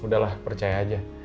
udahlah percaya aja